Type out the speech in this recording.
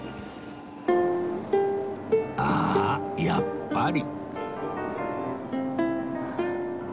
ああやっぱり